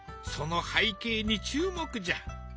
その背景に注目じゃ。